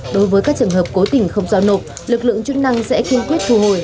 đối với các trường hợp cố tình không giao nộp lực lượng chức năng sẽ kiên quyết thu hồi